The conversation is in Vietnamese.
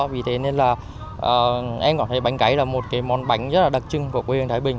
vì thế nên là em còn thấy bánh cấy là một món bánh rất đặc trưng của quê hương thái bình